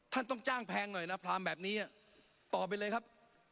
ต้องจ้างแพงหน่อยนะพรามแบบนี้ต่อไปเลยครับ